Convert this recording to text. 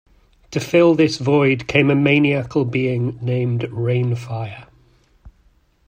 To fill this void came a maniacal being named Reignfire.